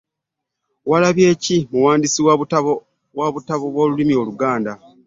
Walabyeki Magoba muwandiisi wa butabo bw'olulimi oluganda.